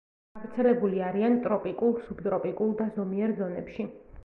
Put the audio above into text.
გავრცელებული არიან ტროპიკულ, სუბტროპიკულ და ზომიერ ზონებში.